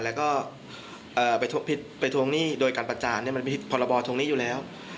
แล้วก็ไปทวงหนี้โดยการประจานเนี่ยมันไปทวงหนี้อยู่แล้ว